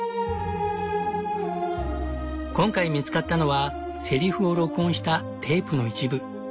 今回見つかったのはセリフを録音したテープの一部。